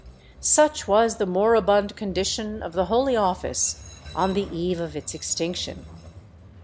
^ Such was the moribund condition of the Holy Office on the eve of its extinction.